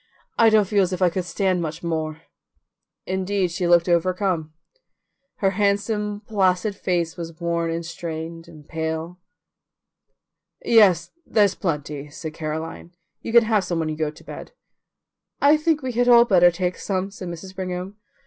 I don't feel as if I could stand much more." Indeed, she looked overcome. Her handsome placid face was worn and strained and pale. "Yes, there's plenty," said Caroline; "you can have some when you go to bed." "I think we had all better take some," said Mrs. Brigham.